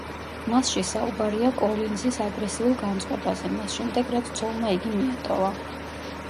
მასში საუბარია კოლინზის აგრესიულ განწყობაზე, მას შემდეგ რაც ცოლმა იგი მიატოვა.